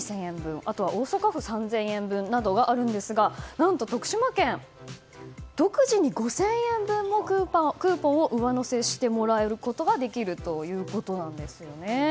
あとは大阪府３０００円分などがあるんですが、何と徳島県独自に５０００円分もクーポンを上乗せしてもらえることができるんですね。